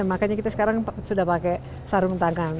makanya kita sekarang sudah pakai sarung tangan